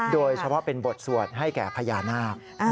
โดยเฉพาะเป็นบทสวดให้แก่พญานาค